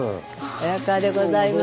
早川でございます。